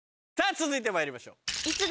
続いてまいりましょう。